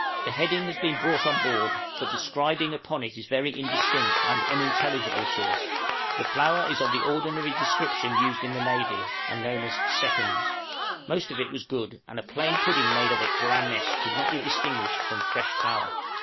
The heading has been brought on board, but the "scribing" upon it is very indistinct, and unintelligible to us. The flour is of the ordinary description used in the navy, and known as "seconds;" most of it was good, and a plain pudding made of it for our mess could not be distinguished from fresh flour.